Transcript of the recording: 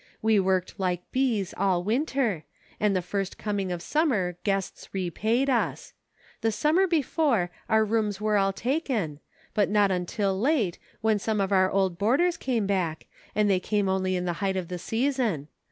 We worked like bees all winter, and the first com ing of summer guests repaid us. The summer before our rooms were all taken, but not until late, when some of our old boarders came back, and they came only in the height of the season.